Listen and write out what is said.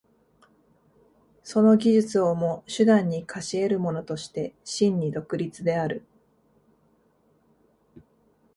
その技術をも手段に化し得るものとして真に独立である。